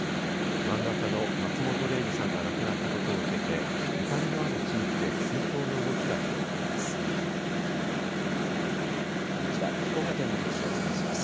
漫画家の松本零士さんが亡くなったことを受けてゆかりのある地域で追悼の動きが広がっています。